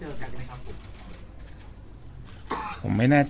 ครับพี่ป๊อบรักใครไหมครับรักครับอยากให้คนแยกยะ